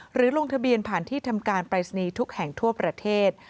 ลงทะเบียนผ่านที่ทำการปรายศนีย์ทุกแห่งทั่วประเทศ